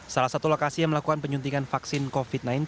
salah satu lokasi yang melakukan penyuntikan vaksin covid sembilan belas